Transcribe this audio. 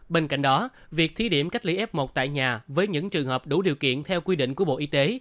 bên cạnh đó việc thí điểm cách ly f một tại nhà với những trường hợp đủ điều kiện theo quy định của bộ y tế